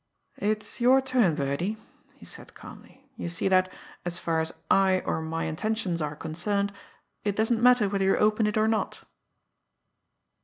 "It's your turn, Birdie," he said calmly. "You see that, as far as I or my intentions are concerned, it doesn't matter whether you open it or not."